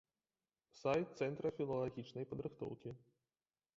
Сайт цэнтра філалагічнай падрыхтоўкі.